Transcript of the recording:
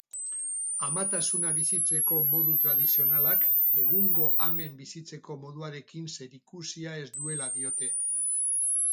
Amatasuna bizitzeko modu tradizionalak egungo amen bizitzeko moduarekin zerikusia ez duela diote.